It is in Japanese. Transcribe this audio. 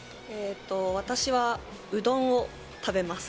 私はうどんを食べます。